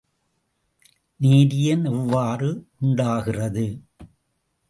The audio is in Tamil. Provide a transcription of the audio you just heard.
நேரியன் எவ்வாறு உண்டாகிறது?